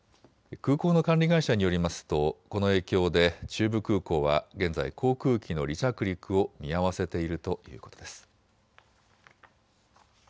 空港の管理会社によりますとこの影響で中部空港は現在、航空機の離着陸を見合わせているということです。